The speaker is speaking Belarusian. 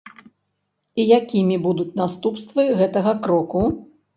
І якімі будуць наступствы гэтага кроку?